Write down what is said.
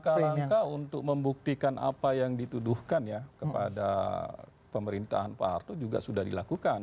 langkah langkah untuk membuktikan apa yang dituduhkan ya kepada pemerintahan pak harto juga sudah dilakukan